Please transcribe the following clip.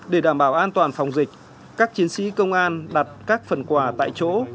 để đảm bảo an toàn phòng dịch các chiến sĩ công an đặt các phần quà tại chỗ